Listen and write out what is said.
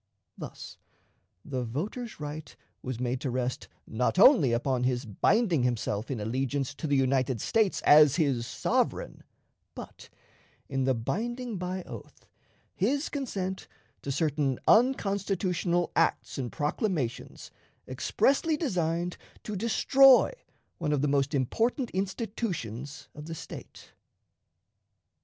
Thus, the voter's right was made to rest, not only upon his binding himself in allegiance to the United States as his sovereign, but in the binding by oath his consent to certain unconstitutional acts and proclamations expressly designed to destroy one of the most important institutions of the State.